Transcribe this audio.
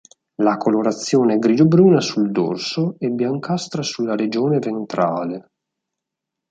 La colorazione è grigio-bruna sul dorso e biancastra sulla regione ventrale.